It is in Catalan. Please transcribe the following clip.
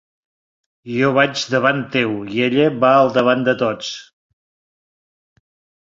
Jo vaig davant teu, i ella va al davant de tots.